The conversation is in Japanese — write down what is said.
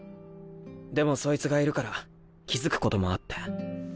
でもそいつがいるから気付くこともあって。